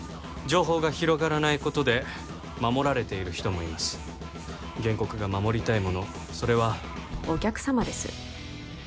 情報が広がらないことで守られている人もいます原告が守りたいものそれはお客様です